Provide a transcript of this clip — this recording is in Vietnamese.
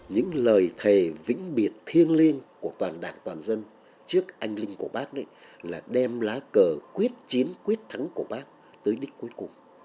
những lời thề vĩnh biệt thiêng liên của toàn đảng toàn dân trước anh linh của bác là đem lá cờ quyết chiến quyết thắng của bác tới đích cuối cùng